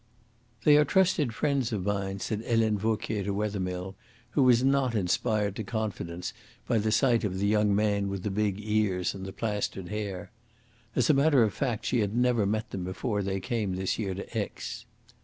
"They are trusted friends of mine," said Helene Vauquier to Wethermill, who was not inspired to confidence by the sight of the young man with the big ears and the plastered hair. As a matter of fact, she had never met them before they came this year to Aix.